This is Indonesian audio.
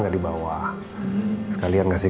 gak dibawa sekalian ngasih